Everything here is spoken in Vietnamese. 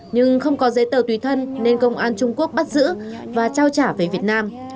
nhưng không có giấy tờ tùy thân nên công an trung quốc bắt giữ và trao trả về việt nam